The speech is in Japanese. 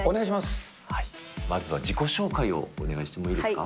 まずは自己紹介をお願いしてもいいですか。